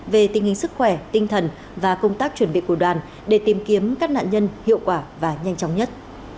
về tình hình sức khỏe tinh thần và công tác chuẩn bị của đoàn để tìm kiếm các nạn nhân hiệu quả và nhanh chóng nhất